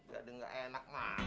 gak ada gak enak ma